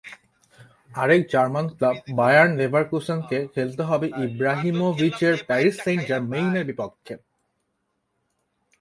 আরেক German club Bayern লেভারকুসেনকে খেলতে হবে ইব্রাহিমোভিচের প্যারিস সেইন্ট জার্মেইনের বিপক্ষে।